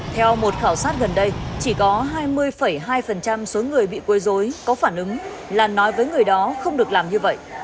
theo một khảo sát gần đây chỉ có hai mươi hai số người bị quê dối có phản ứng là nói với người đó không được làm như vậy